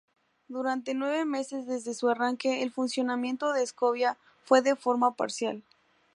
Durante nueve meses desde su arranque, el funcionamiento de Ecovía fue de forma parcial.